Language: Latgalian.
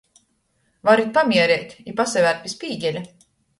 Varit pamiereit i pasavērt pi spīgeļa.